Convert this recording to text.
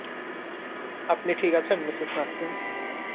আপনি ঠিক আছেন, মিসেস নাসরিন?